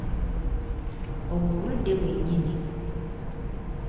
Obwo bulwadde bwe nnyini.